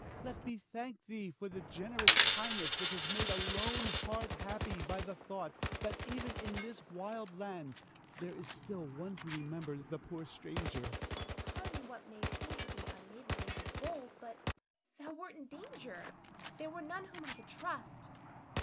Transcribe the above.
Let me thank thee for the generous kindness which has made a lone heart happy by the thought that even in this wild land there is still one to remember the poor stranger. Zara. Pardon what may seem to thee unmaidenly and bold; but thou wert in danger; there were none whom I could trust.